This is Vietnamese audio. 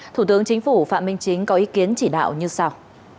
thủ tướng chính phủ phạm minh chính có ý kiến chỉ đạo như sau